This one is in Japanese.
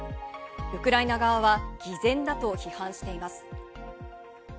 ウクライナ側は偽善だと批判しています。